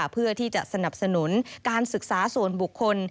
เพื่อที่จะสนับสนุนการศึกษาส่วนบุคคล